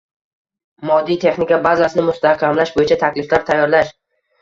moddiy-texnika bazasini mustahkamlash bo‘yicha takliflar tayyorlash